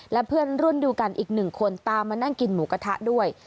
และเพื่อนรุ่นเดียวกันอีกหนึ่งคนตามมานั่งกินหมูกระทะด้วย